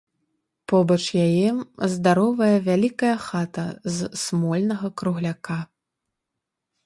Побач яе здаровая, вялікая хата з смольнага кругляка.